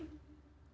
gua goyah hati ini